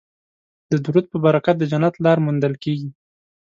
د درود په برکت د جنت لاره موندل کیږي